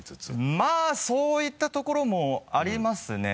まぁそういったところもありますね。